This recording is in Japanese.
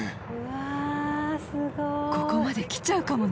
ここまで来ちゃうかもね。